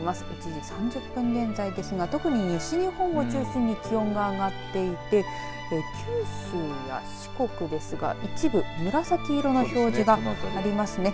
１時３０分現在ですが特に西日本を中心に気温が上がっていて九州や四国ですが、一部紫色の表示がありますね。